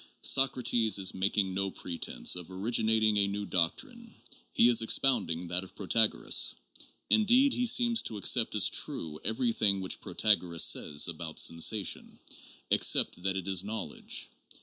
Socrates is making no pretense of originating a new doctrine : he is expound ing that of Protagoras. Indeed he seems to accept as true everything which Protagoras says about sensation, except that it is knowledge.